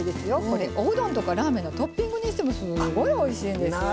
これおうどんとかラーメンのトッピングにしてもすごいおいしいんですよ。